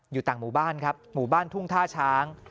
อยู่ต่างหมู่บ้านครับหมู่บ้านทุ่งท่าช้าง